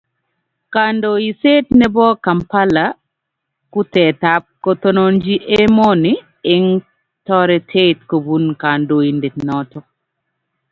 kandoiset nebo Kampala kutetat kotononji emoni eng toretet kobun kandoindet noto